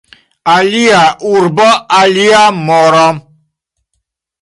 Alia urbo, alia moro.